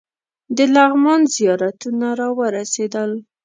د لغمان زیارتونه راورسېدل.